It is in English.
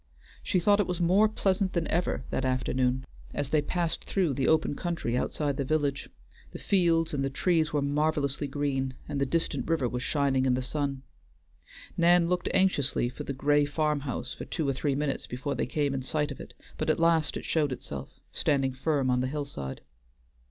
She thought it was more pleasant than ever that afternoon, as they passed through the open country outside the village; the fields and the trees were marvelously green, and the distant river was shining in the sun. Nan looked anxiously for the gray farmhouse for two or three minutes before they came in sight of it, but at last it showed itself, standing firm on the hillside.